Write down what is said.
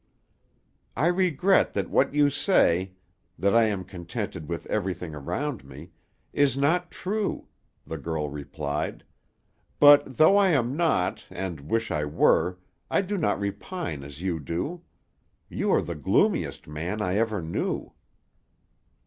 "I regret that what you say that I am contented with everything around me is not true," the girl replied, "but though I am not, and wish I were, I do not repine as you do. You are the gloomiest man I ever knew."